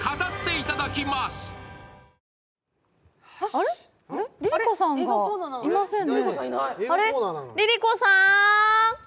あれっＬｉＬｉＣｏさんがいませんね。